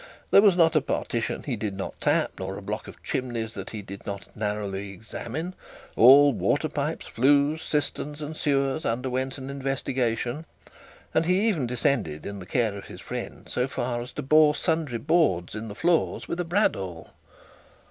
There was not a partition that he did not tap, nor a block of chimneys that he did not narrowly examine; all water pipes, flues, cisterns, and sewers underwent his examination; and he even descended, in the care of his friend, so far as to bore sundry boards in the floors with a bradawl.